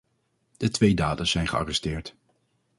De twee daders zijn gearresteerd.